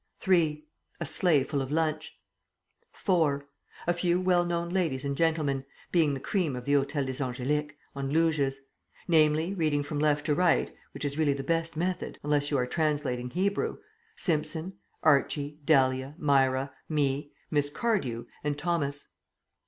(3) A sleigh full of lunch. (4) A few well known ladies and gentlemen (being the cream of the Hôtel des Angéliques) on luges; namely, reading from left to right (which is really the best method unless you are translating Hebrew), Simpson, Archie, Dahlia, Myra, me, Miss Cardew, and Thomas.